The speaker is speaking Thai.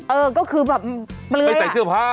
เออก็คือแบบเปลื้อยอ่ะ